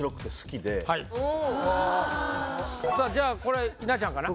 はいさあじゃあこれ稲ちゃんかな？